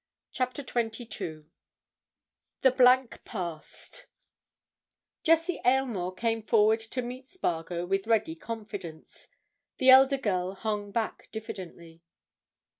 CHAPTER TWENTY TWO THE BLANK PAST Jessie Aylmore came forward to meet Spargo with ready confidence; the elder girl hung back diffidently.